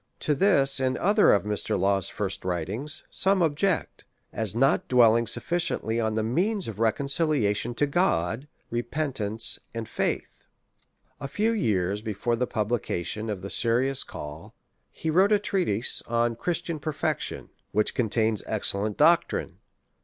To this and other of Mr. Law's first writings, some object, as not dwelling sufficiently on the means of reconciliation to God, repentance, and faith. A few years before the publication of the Serious Call, he wrote a treatise on Christian Perfection, which contains excellent doctrine.